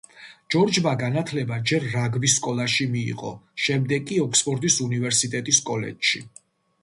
ჯორჯმა განათლება ჯერ რაგბის სკოლაში მიიღო, შემდეგ კი ოქსფორდის უნივერსიტეტის კოლეჯში.